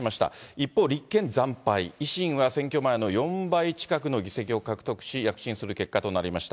一方、立憲惨敗、維新は選挙前の４倍近くの議席を獲得し、躍進する結果となりました。